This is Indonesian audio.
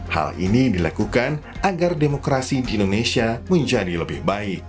hal ini dilakukan agar demokrasi di indonesia menjadi lebih baik